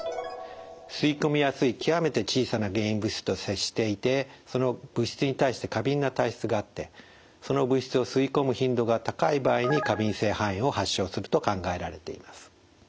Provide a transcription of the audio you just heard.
吸い込みやすい極めて小さな原因物質と接していてその物質に対して過敏な体質があってその物質を吸い込む頻度が高い場合に過敏性肺炎を発症すると考えられています。